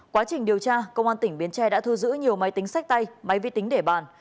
quá trình điều tra công an tỉnh bến tre đã thu giữ nhiều máy tính sách tay máy vi tính để bàn